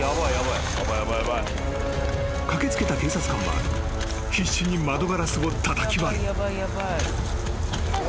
［駆け付けた警察官は必死に窓ガラスをたたき割る］